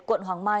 quận hoàng mai